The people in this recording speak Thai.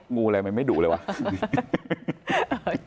งูอะไรไม่ดูเลยวะ